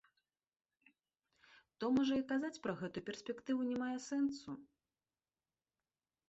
То можа і казаць пра гэтую перспектыву не мае сэнсу?